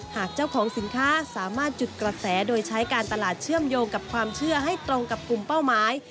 หากเจ้าของสินค้าสามารถจุดกระแสโดยใช้การตลาดเชื่อมโยงกับความเชื่อให้ตรงกับกลุ่มเป้าหมาย